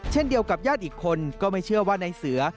เช่นเดียวกับญาติอีกคนก็ไม่เชื่อว่านายเสือ